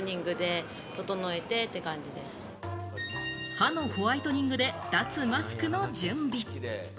歯のホワイトニングで脱マスクの準備。